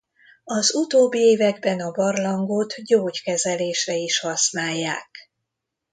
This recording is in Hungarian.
Az utóbbi években a barlangot gyógykezelésre is használják.